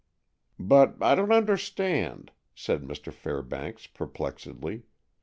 "But I don't understand," said Mr. Fairbanks perplexedly.